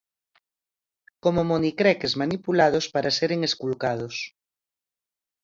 Como monicreques manipulados para seren esculcados.